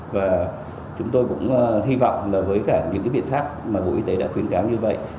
và chúng tôi cũng hy vọng là với cả những biện pháp mà bộ y tế đã khuyến cáo như vậy